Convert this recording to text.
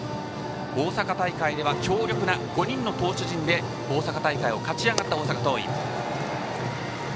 大阪大会では強力な５人の投手陣で大阪大会を勝ち上がった大阪桐蔭。